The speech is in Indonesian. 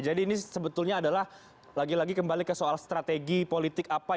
jadi ini sebetulnya adalah lagi lagi kembali ke soal strategi politik apa